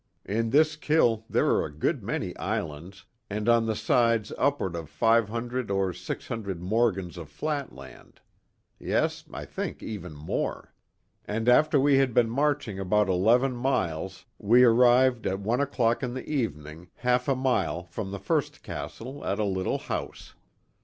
In this kil there are a good many islands, and on the sides upward of 500 or 600 morgens of flat land. Yes, I think even more. And after we had been marching about eleven miles we arrived at one o'clock in the evening, half a mile from the first Castle, at a little house.